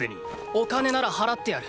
お金なら払ってやる。